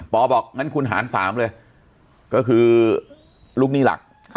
บอกงั้นคุณหาร๓เลยก็คือลูกหนี้หลัก